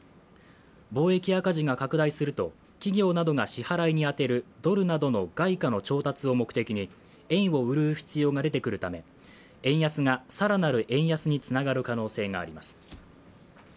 貿易赤字が拡大すると企業などが支払いに充てるドルなどの外貨の調達を目的に円を売る必要が出てくるため、円安が更なる円安につながる可能性があります。